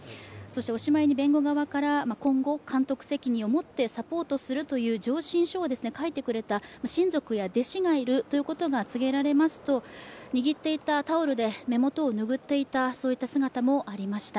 おしまいに弁護側から今後、監督責任を持ってサポートするという上申書を書いてくれた親族や弟子がいるということが告げられますと握っていたタオルで目元を拭っていたそういった姿もありました。